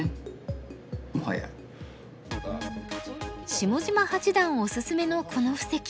下島八段おすすめのこの布石